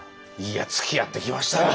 いやつきあってきましたよ！